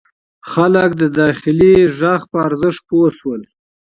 خلک د داخلي غږ په ارزښت پوه شول.